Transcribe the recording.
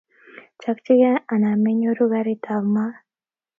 chakchige, anan menyoru karitab maat?